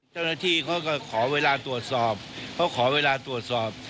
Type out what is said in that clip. เจ้าหน้าที่เขาก็ขอเวลาตรวจสอบ